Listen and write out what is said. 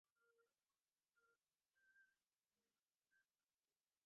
এটাই হচ্ছে law of large number.